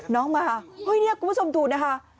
น้องมานี่คุณผู้ชมดูนะคะ